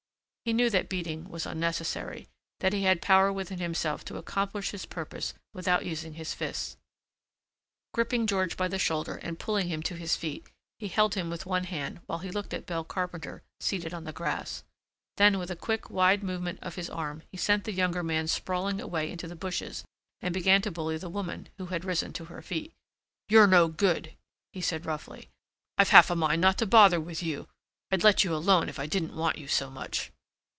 He knew that beating was unnecessary, that he had power within himself to accomplish his purpose without using his fists. Gripping George by the shoulder and pulling him to his feet, he held him with one hand while he looked at Belle Carpenter seated on the grass. Then with a quick wide movement of his arm he sent the younger man sprawling away into the bushes and began to bully the woman, who had risen to her feet. "You're no good," he said roughly. "I've half a mind not to bother with you. I'd let you alone if I didn't want you so much."